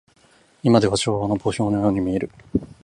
いまでは昭和の墓標のように見える。